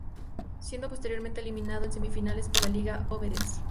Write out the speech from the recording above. Siendo posteriormente eliminado en semifinales por la Liga Ovetense.